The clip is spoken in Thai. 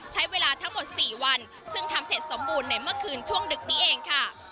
ใช้เวลาทั้งหมด๔วันซึ่งทำเสร็จสมบูรณ์ในเมื่อคืนช่วงดึกนี้เองค่ะ